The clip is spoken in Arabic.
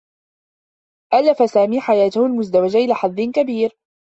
ألف سامي حياته المزدوجة إلى حدّ كبير.